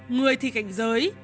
người thì cảnh giới